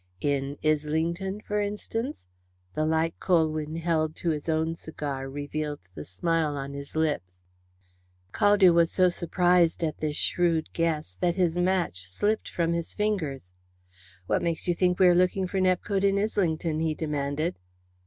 "In Islington, for instance?" The light Colwyn held to his own cigar revealed the smile on his lips. Caldew was so surprised at this shrewd guess that his match slipped from his fingers. "What makes you think we are looking for Nepcote in Islington?" he demanded.